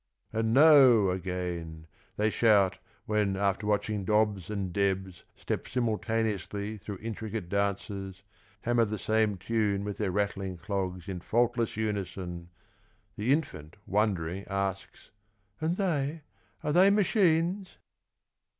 And " No" again They shout when after watching Dobbs and Debs Step simultaneously through intricate dances, Hammer the same tune with their rattling clogs In faultless unison, the infant wondering asks, " And they, are they machines?